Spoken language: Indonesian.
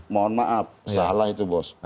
mohon maaf salah itu bos